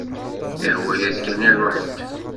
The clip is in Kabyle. Ihwa-yas kan iruḥ-d.